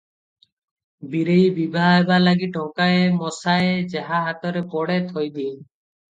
ବୀରେଇ ବିଭା ହେବା ଲାଗି ଟଙ୍କାଏ ମସାଏ ଯାହା ହାତରେ ପଡ଼େ ଥୋଇ ଦିଏ ।